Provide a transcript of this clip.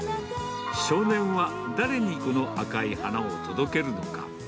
少年は、誰にこの赤い花を届けるのか。